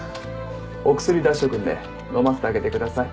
お薬出しとくんで飲ませてあげてください。